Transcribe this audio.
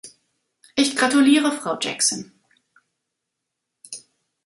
Ich gratuliere Frau Jackson.